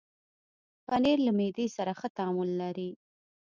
پنېر له معدې سره ښه تعامل لري.